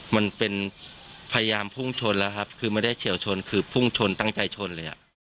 มันเป็นพยายามพุ่งชนแล้วครับคือไม่ได้เฉียวชนคือพุ่งชนตั้งใจชนเลยอ่ะ